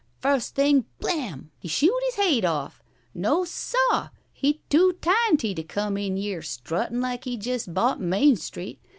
First thing blam he shoot his haid off. No, seh, he too tinety t' come in yere er struttin' like he jest bought Main Street.